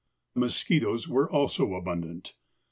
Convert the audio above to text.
Mosquitoes were also abundant.